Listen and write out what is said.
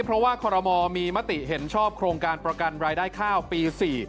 เพราะว่าคอรมอลมีมติเห็นชอบโครงการประกันรายได้ข้าวปี๔